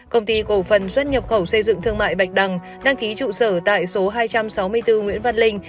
công ty cổ phần xuất nhập khẩu xây dựng thương mại bạch đăng ký trụ sở tại số hai trăm sáu mươi bốn nguyễn văn linh